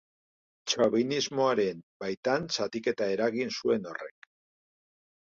Chavismoaren baitan zatiketa eragin zuen horrek.